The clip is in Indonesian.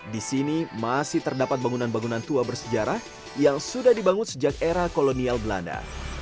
di sini masih terdapat bangunan bangunan tua bersejarah yang sudah dibangun sejak era kolonial belanda